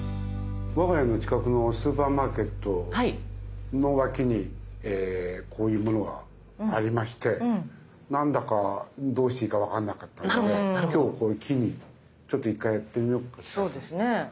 我が家の近くのスーパーマーケットの脇にこういうものがありまして何だかどうしていいか分かんなかったので今日これ機にちょっと１回やってみようかなと。